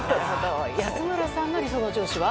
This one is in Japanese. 安村さんの理想の上司は？